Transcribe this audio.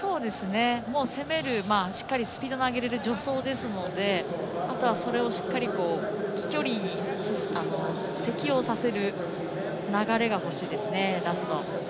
攻める、しっかりスピードの上げられる助走ですのであとはそれをしっかり飛距離に適応させる流れが欲しいですね、ラスト。